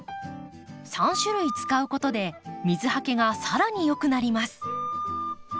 ３種類使うことで水はけが更によくなります。